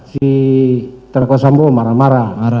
si terdakwa sambo marah marah